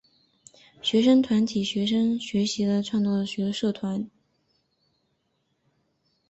学生团体学习之余创立了许多社团。